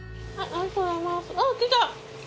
あっ来た。